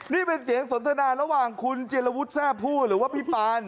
นี่เป็นเสียงสนทนาระหว่างคุณจิลวุฒิแซ่ผู้หรือว่าพี่ปาน